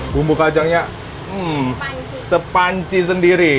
bumbu kacangnya sepanci sendiri